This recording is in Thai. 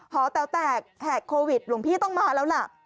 หอแต๋วแตกแหกโควิดหลวงพี่ต้องมาแล้วล่ะ